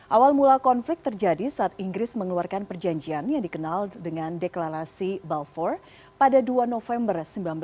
awal mula konflik terjadi saat inggris mengeluarkan perjanjian yang dikenal dengan deklarasi balfor pada dua november seribu sembilan ratus empat puluh